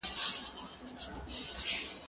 مېوې راټوله!.